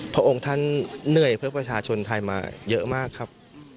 พระองค์ท่านเหนื่อยเพื่อประชาชนไทยมาเยอะมากครับ